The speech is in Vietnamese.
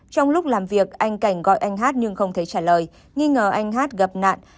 trong lúc làm việc anh cảnh gọi anh hát nhưng không thấy trả lời nghi ngờ anh hát gặp nạn